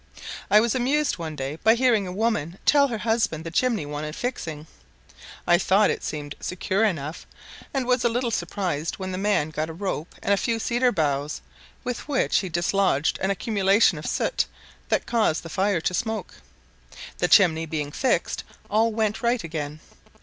I was amused one day by hearing a woman tell her husband the chimney wanted fixing. I thought it seemed secure enough, and was a little surprised when the man got a rope and a few cedar boughs, with which he dislodged an accumulation of soot that caused the fire to smoke. The chimney being fixed, all went right again.